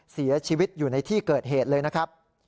เสียชีวิตอยู่ในที่เกิดเหตุเลยนะครับ